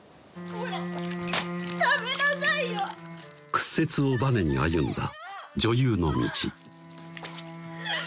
屈折をバネに歩んだ女優の道